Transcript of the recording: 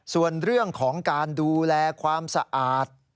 ส่วนเรื่องของการดูแลความสะอาด